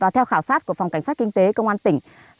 theo khảo sát của phòng cảnh sát kinh tế công an tỉnh